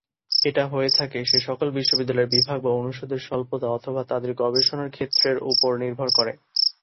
এটা হয়ে থাকে সে সকল বিশ্ববিদ্যালয়ের বিভাগ বা অনুষদের স্বল্পতা অথবা তাদের গবেষণার ক্ষেত্রের উপর নির্ভর করে।